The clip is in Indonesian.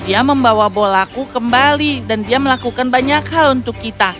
dia membawa bolaku kembali dan dia melakukan banyak hal untuk kita